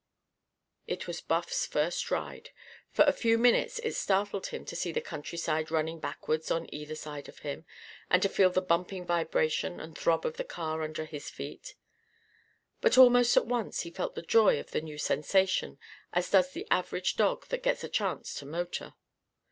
It was Buff's first ride. For a few minutes it startled him to see the countryside running backwards on either side of him, and to feel the bumping vibration and throb of the car under his feet. But almost at once he felt the joy of the new sensation, as does the average dog that gets a chance to motor.